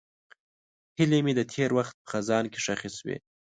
هیلې مې د تېر وخت په خزان کې ښخې شوې.